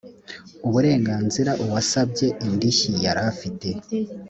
uburenganzira uwasabye indishyi yari afite